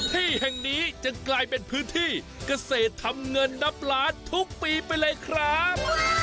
ที่แห่งนี้จะกลายเป็นพื้นที่เกษตรทำเงินนับล้านทุกปีไปเลยครับ